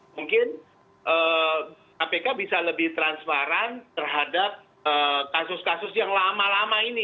mungkin kpk bisa lebih transparan terhadap kasus kasus yang lama lama ini